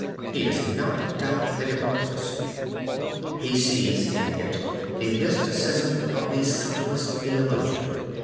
He does not doubt that it was. He sees in it the mysticism of the subtlest theologian.